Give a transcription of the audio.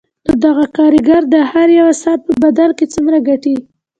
نو دغه کارګر د هر یوه ساعت په بدل کې څومره ګټي